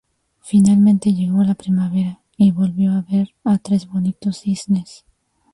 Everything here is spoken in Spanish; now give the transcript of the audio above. Finalmente llegó la primavera y ¡volvió a ver a tres bonitos cisnes!.